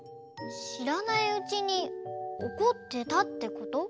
しらないうちにおこってたってこと？